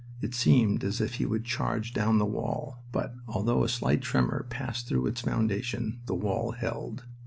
It seemed as if he would charge down the wall; but, although a slight tremor passed through its foundation, the wall held.